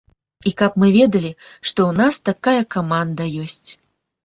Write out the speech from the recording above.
І каб мы ведалі, што ў нас такая каманда ёсць.